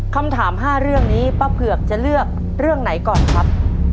คำถาม๕เรื่องนี้ป้าเผือกจะเลือกเรื่องไหนก่อนครับ